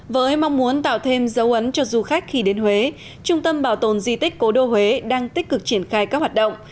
với mong muốn tạo thêm dấu ấn cho du khách khi đến huế trung tâm bảo tồn di tích cố đô huế đang tích cực triển khai các hoạt động